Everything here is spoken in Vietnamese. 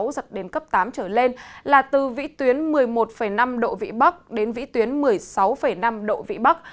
giật đến cấp tám trở lên là từ vĩ tuyến một mươi một năm độ vĩ bắc đến vĩ tuyến một mươi sáu năm độ vĩ bắc